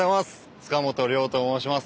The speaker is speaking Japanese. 塚本凌生と申します。